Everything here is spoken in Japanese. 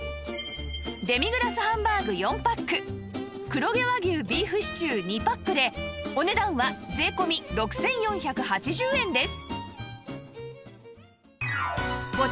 デミグラスハンバーグ４パック黒毛和牛ビーフシチュー２パックでお値段は税込６４８０円です